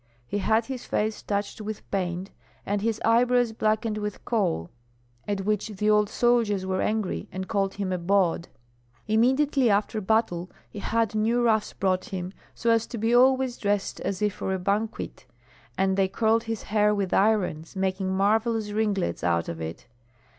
He had his face touched with paint, and his eyebrows blackened with coal, at which the old soldiers were angry and called him a bawd. Immediately after battle he had new ruffs brought him, so as to be always dressed as if for a banquet, and they curled his hair with irons, making marvellous ringlets out of it.